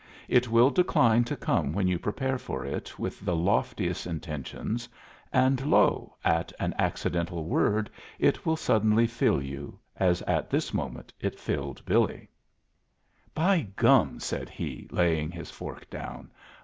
It will decline to come when you prepare for it with the loftiest intentions, and, lo! at an accidental word it will suddenly fill you, as at this moment it filled Billy. "By gum!" said he, laying his fork down.